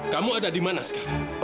kamu ada di mana sekarang